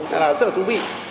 nên là rất là thú vị